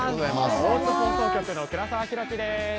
大津放送局の倉沢宏希です。